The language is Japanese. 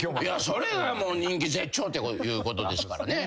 それがもう人気絶頂ということですからね。